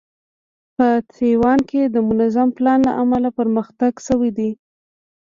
په تایوان کې د منظم پلان له امله پرمختګ شوی دی.